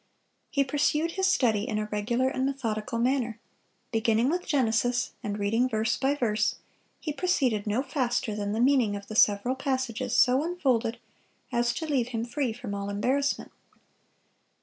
He pursued his study in a regular and methodical manner; beginning with Genesis, and reading verse by verse, he proceeded no faster than the meaning of the several passages so unfolded as to leave him free from all embarrassment.